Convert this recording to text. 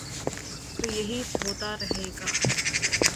تو یہی ہو تا رہے گا۔